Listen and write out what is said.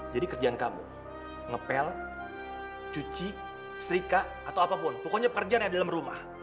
jadi kerjaan kamu ngepel cuci serika atau apapun pokoknya pekerjaan yang ada di dalam rumah